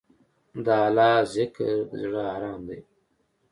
د الله ذکر، د زړه ارام دی.